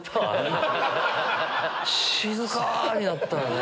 静かになったよね。